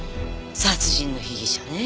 殺人の被疑者ね。